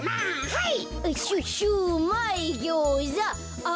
はい！